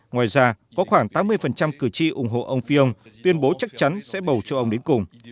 ngoài ra có khoảng tám mươi cử tri ủng hộ ông phil tuyên bố chắc chắn sẽ bầu cho ông đến cùng